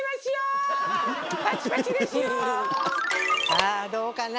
さあどうかな？